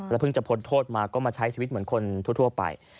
เพิ่งจะพ้นโทษมาก็มาใช้ชีวิตเหมือนคนทั่วไป